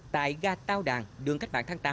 tại ga tàu đàn đường cách mạng tháng tám